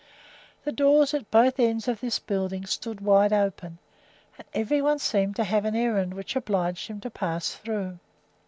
The doors at both ends of this building stood wide open, and every one seemed to have an errand which obliged him to pass through.